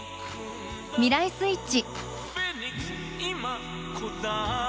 「未来スイッチ」。